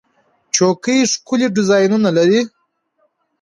چوکۍ ښکلي ډیزاینونه لري.